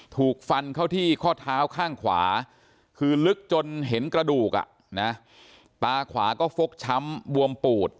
ถูกฟันเข้าที่ข้อเท้าข้างขวาคือลึกจนเห็นกระดูกตาขวาก็ฟกช้ำบวมปูด